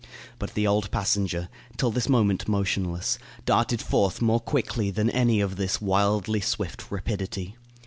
But the old passenger, till this moment motionless, darted forth more quickly than any of this wildly swift rapidity.